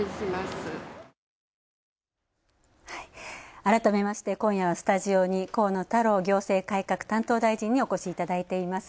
改めまして今夜はスタジオに河野太郎行政改革担当大臣にお越しいただいています。